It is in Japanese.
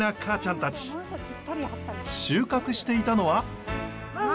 収穫していたのは。